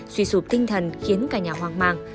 suy sụp tinh thần khiến cả nhà hoang mang